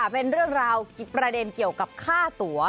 เป็นเรื่องราคาตัว